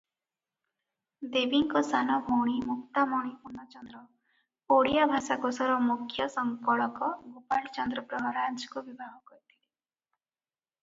ଦେବୀଙ୍କ ସାନଭଉଣୀ ମୁକ୍ତାମଣି ପୂର୍ଣ୍ଣଚନ୍ଦ୍ର ଓଡ଼ିଆ ଭାଷାକୋଷର ମୁଖ୍ୟ ସଂକଳକ ଗୋପାଳ ଚନ୍ଦ୍ର ପ୍ରହରାଜଙ୍କୁ ବିବାହ କରିଥିଲେ ।